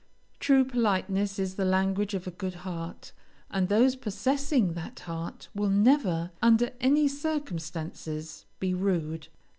True politeness is the language of a good heart, and those possessing that heart will never, under any circumstances, be rude.